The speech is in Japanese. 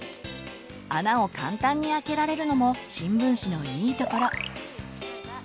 穴を簡単にあけられるのも新聞紙のいいところ。